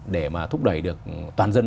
để mà thúc đẩy được toàn dân